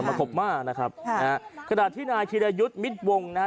มันกับหมานะครับราดที่นายทีใดยึดมิดวงณ์นะ